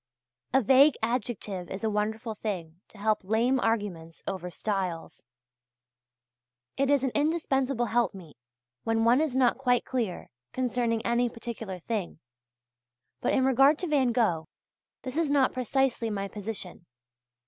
A vague adjective is a wonderful thing to help lame arguments over stiles. It is an indispensable helpmeet when one is not quite clear concerning any particular thing: but in regard to Van Gogh, this is not precisely my position.